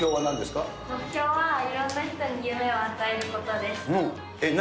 目標は、いろんな人に夢を与えることです。